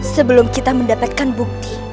sebelum kita mendapatkan bukti